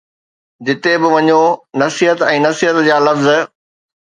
جتي به وڃو، نصيحت ۽ نصيحت جا لفظ.